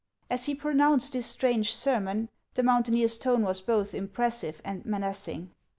As he pronounced this strange sermon, the mountaineer's tone was both impressive and menacing.